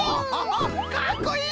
かっこいい！